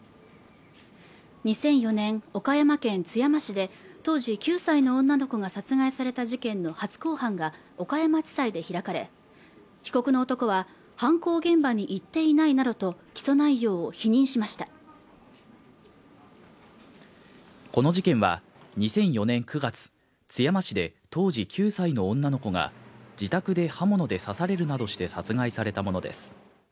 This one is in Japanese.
２００４年岡山県津山市で当時９歳の女の子が殺害された事件の初公判が岡山地裁で開かれ被告の男は犯行現場に行っていないなどと起訴内容を否認しましたこの事件は２００４年９月津山市で当時９歳の女の子が自宅で刃物で刺されるなどして殺害されたものです